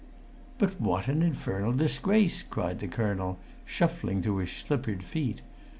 "But what an infernal disgrace!" cried the colonel, shuffling to his slippered feet.